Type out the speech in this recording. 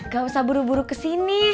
gak usah buru buru kesini